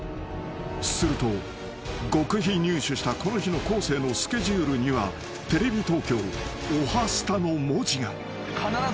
［すると極秘入手したこの日の昴生のスケジュールにはテレビ東京『おはスタ』の文字が］